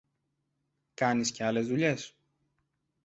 Κάνεις και άλλες δουλειές;